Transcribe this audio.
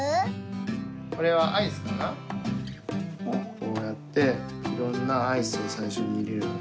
こうやっていろんなアイスをさいしょにいれるのね